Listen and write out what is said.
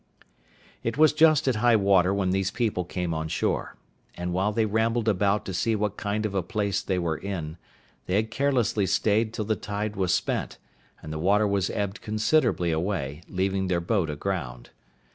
It was just at high water when these people came on shore; and while they rambled about to see what kind of a place they were in, they had carelessly stayed till the tide was spent, and the water was ebbed considerably away, leaving their boat aground.